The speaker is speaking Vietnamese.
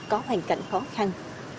có hoàn cảnh khó khăn